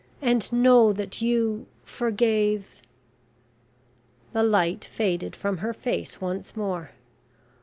and know that you forgave..." The light faded from her face once more.